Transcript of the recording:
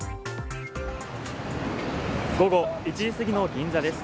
午後１時すぎの銀座です。